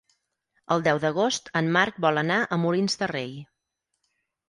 El deu d'agost en Marc vol anar a Molins de Rei.